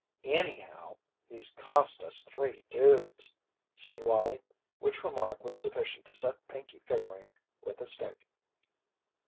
"Anyhow, he's cost us three dudes," said Wallie, which remark was sufficient to set Pinkey figuring with a stick.